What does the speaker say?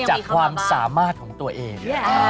จากความสามารถของตัวเอง